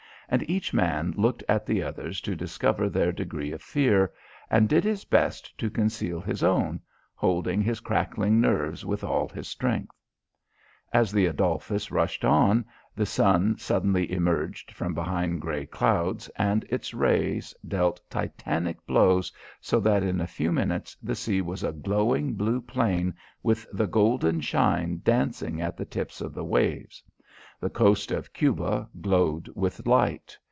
And each man looked at the others to discover their degree of fear and did his best to conceal his own, holding his crackling nerves with all his strength. As the Adolphus rushed on, the sun suddenly emerged from behind grey clouds and its rays dealt titanic blows so that in a few minutes the sea was a glowing blue plain with the golden shine dancing at the tips of the waves. The coast of Cuba glowed with light.